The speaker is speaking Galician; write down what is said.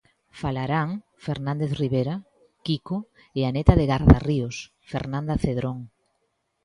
Falarán Fernández Rivera, Quico e a neta do Gardarríos, Fernanda Cedrón.